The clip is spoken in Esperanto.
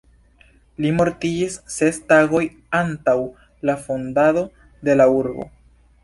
Li mortiĝis ses tagoj antaŭ la fondado de la urbo.